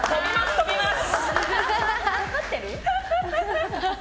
とびます！